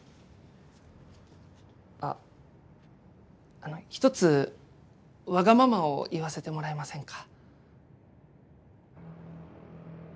あっあの一つわがままを言わせてもらえませんか？